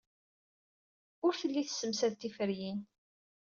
Ur telli tessemsad tiferyin.